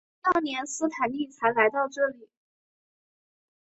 第二年斯坦利才来到这里。